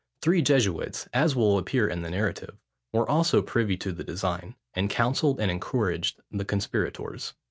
Three Jesuits, as will appear in the narrative, were also privy to the design, and counselled and encouraged the conspirators.